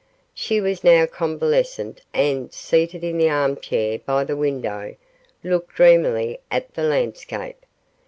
She was now convalescent, and, seated in the arm chair by the window, looked dreamily at the landscape.